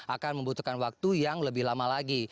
akan membutuhkan waktu yang lebih lama lagi